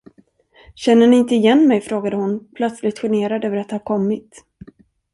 Känner ni inte igen mig? frågade hon, plötsligt generad över att ha kommit.